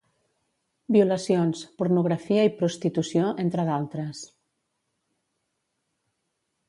Violacions, pornografia i prostitució, entre d'altres.